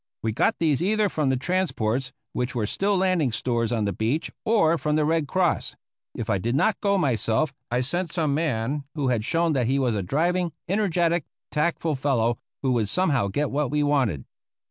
We got these either from the transports which were still landing stores on the beach or from the Red Cross. If I did not go myself I sent some man who had shown that he was a driving, energetic, tactful fellow, who would somehow get what we wanted.